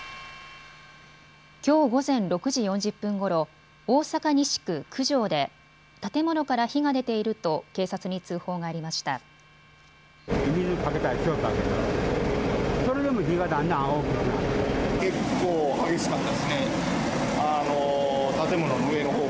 きょう午前６時４０分ごろ、大阪西区九条で建物から火が出ていると警察に通報がありました。